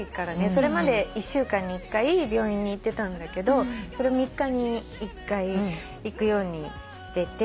それまで１週間に１回病院に行ってたんだけどそれを３日に１回行くようにしてて。